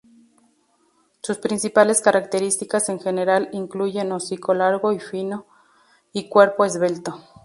Sus principales características en general, incluyen hocico largo y fino y cuerpo esbelto.